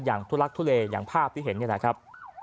ทุลักทุเลอย่างภาพที่เห็นนี่แหละครับ